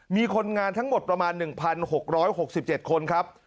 มีคนงานทั้งหมดประมาณ๑๖๖๗คนครับ